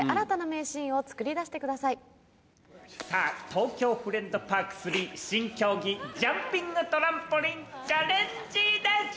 さぁ東京フレンドパーク３新競技ジャンピングトランポリンチャレンジです！